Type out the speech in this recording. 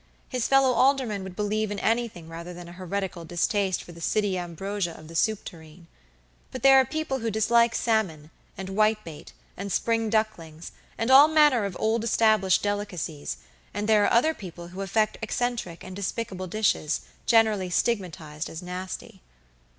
His fellow aldermen would believe in anything rather than an heretical distaste for the city ambrosia of the soup tureen. But there are people who dislike salmon, and white bait, and spring ducklings, and all manner of old established delicacies, and there are other people who affect eccentric and despicable dishes, generally stigmatized as nasty.